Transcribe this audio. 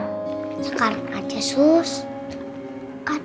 sekarang aja sus kan aku kangennya sekarang